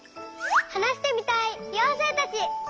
はなしてみたいようせいたち！